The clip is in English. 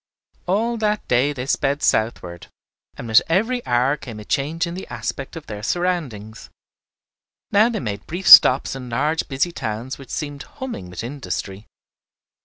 All that day they sped southward, and with every hour came a change in the aspect of their surroundings. Now they made brief stops in large busy towns which seemed humming with industry.